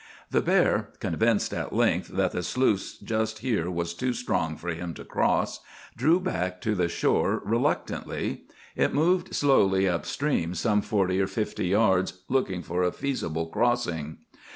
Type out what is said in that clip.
The bear, convinced at length that the sluice just here was too strong for him to cross, drew back to the shore reluctantly. It moved slowly up stream some forty or fifty yards, looking for a feasible crossing.